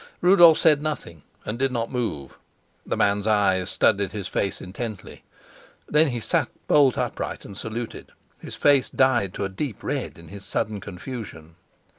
Rudolf said nothing and did not move. The man's eyes studied his face intently. Then he sat bolt upright and saluted, his face dyed to a deep red in his sudden confusion.